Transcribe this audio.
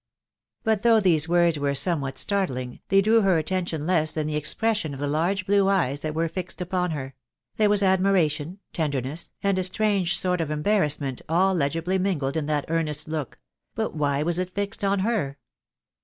But though these words were somewhat startling, they drew her attention less than the expression of the large, blue eyes that were fixed upon her ; there were admiration, ten derness, and a strange sort of embarrassment* all legibly mingled in that earnest look .... but why was it fixed on her